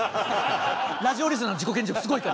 ラジオリスナーの自己顕示欲すごいから。